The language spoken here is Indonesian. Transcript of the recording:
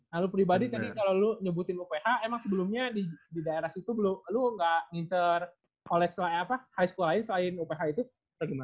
nah lu pribadi tadi kalo lu nyebutin uph emang sebelumnya di daerah situ lu gak ngincer college lain apa high school lain selain uph itu atau gimana